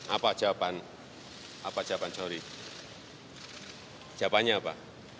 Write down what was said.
apa jawaban zohri jawabannya apa